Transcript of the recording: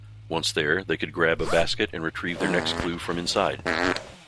Once there, they could grab a basket and retrieve their next clue from inside.